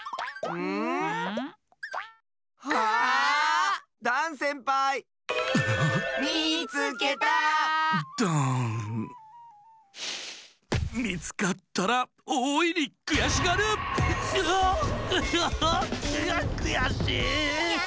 うわっくやしい。